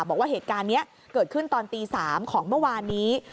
บอกว่าเหตุการณ์นี้เกิดขึ้นตอนตี๓ของเมื่อวานนี้